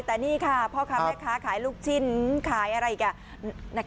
แต่นี่ค่ะพ่อค้าแม่ค้าขายลูกชิ้นขายอะไรอีก